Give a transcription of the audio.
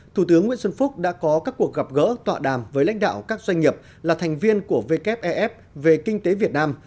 thủ tướng nguyễn xuân phúc đã có các cuộc gặp gỡ tọa đàm với lãnh đạo các doanh nghiệp là thành viên của wef về kinh tế việt nam